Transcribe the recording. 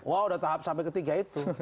wah udah tahap sampai ketiga itu